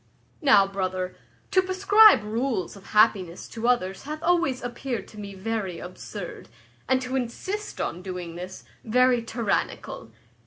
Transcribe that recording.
"Now, brother, to prescribe rules of happiness to others hath always appeared to me very absurd, and to insist on doing this, very tyrannical.